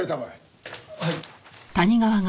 はい。